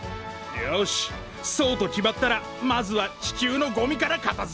よしそうと決まったらまずは地球のゴミから片づけるぞ。